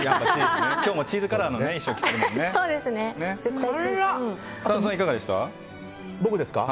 今日もチーズカラーの衣装を着てますもんね。